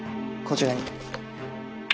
こちらに。